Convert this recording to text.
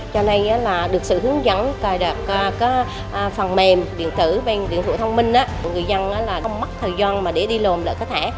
cho nên là được sự hướng dẫn cài đặt các phần mềm điện tử bằng điện thoại thông minh người dân không mắc thời gian mà để đi lồn lại cái thẻ